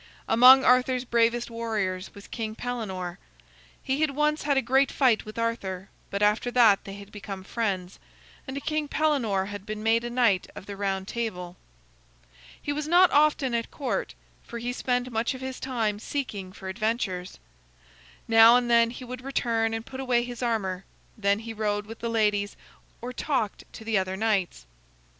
Among Arthur's bravest warriors was King Pellenore. He had once had a great fight with Arthur, but after that they had become friends, and King Pellenore had been made a Knight of the Round Table. He was not often at court, for he spent much of his time seeking for adventures. Now and then he would return and put away his armor. Then he rode with the ladies or talked to the other knights.